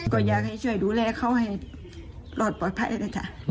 ก็อยากให้ช่วยดูแลเขาให้รอดปลอดภัยนะจ๊ะ